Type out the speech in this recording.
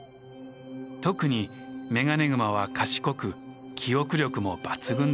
特にメガネグマは賢く記憶力も抜群です。